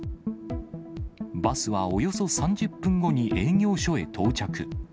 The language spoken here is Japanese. バスはおよそ３０分後に営業所へ到着。